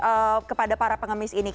apa kepada para pengemis ini